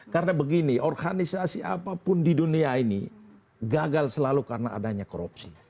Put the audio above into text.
karena begini organisasi apapun di dunia ini gagal selalu karena adanya korupsi